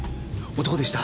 男でした。